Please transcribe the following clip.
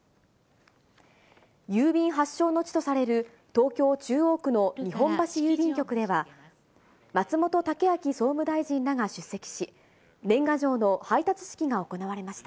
郵便発祥の地とされる、東京・中央区の日本橋郵便局では、松本剛明総務大臣らが出席し、年賀状の配達式が行われました。